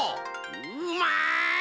うまい！